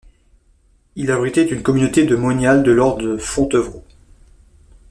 Il abritait une communauté de moniales de l'ordre de Fontevraud.